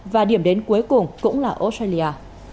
và điểm đến cuối cùng cũng là australia